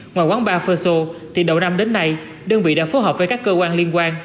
ngoài quán ba ferso thì đầu năm đến nay đơn vị đã phối hợp với các cơ quan liên quan